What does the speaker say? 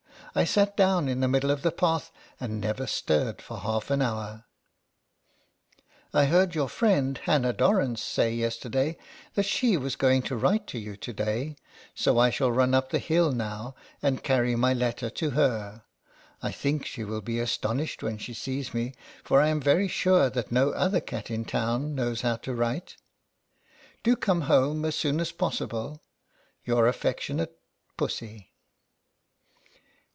I sat down in the middle of the path, and never stirred for half an hour. I heard your friend, Hannah Dorrance, say yesterday, that she was going to write to you to day, so I shall run up the hill now and 44 LETTERS FROM A CAT. carry my letter to her. I think she will be astonished when she sees me, for I am very sure that no other cat in town knows how to write. Do come home as soon as possible. Your affectionate PUSSY.